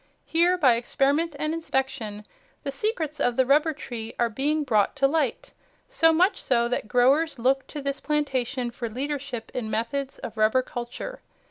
Here, by experiment and inspection, the secrets of the rubber tree are being brought to light, so much so that growers look to this plantation for leadership in methods of rubber culture.